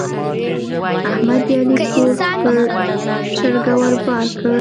احمد د علي کور پر چرګه ور بار کړ.